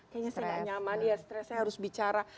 kayaknya sangat nyaman ya stresnya harus bicara